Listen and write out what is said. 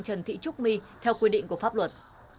trần thị trúc my theo quy định của pháp luật